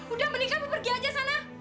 udah mending kamu pergi aja sana